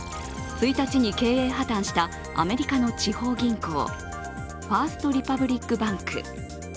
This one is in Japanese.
１日に経営破綻したアメリカの地方銀行、ファースト・リパブリック・バンク。